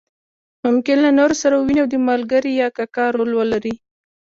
ممکن له نورو سره وویني او د ملګري یا کاکا رول ولري.